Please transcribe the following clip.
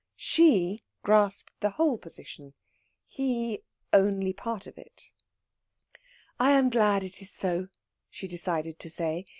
She grasped the whole position, he only part of it. "I am glad it is so," she decided to say.